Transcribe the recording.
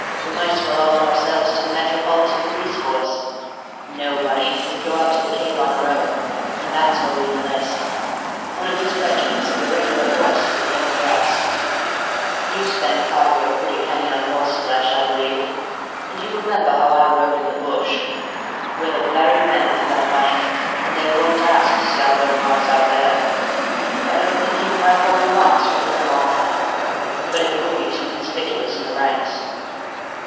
We might as well offer ourselves to the Metropolitan Police Force. No, Bunny, we go out to the Cape on our own, and that's where we enlist. One of these regiments of irregular horse is the thing for us; you spent part of your pretty penny on horse flesh, I believe, and you remember how I rode in the bush! We're the very men for them, Bunny, and they won't ask to see our birthmarks out there. I don't think even my hoary locks would put them off, but it would be too conspicuous in the ranks."